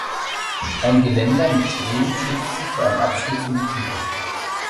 Ein Geländer mit Streben schützt sie vor einem Absturz in die Tiefe.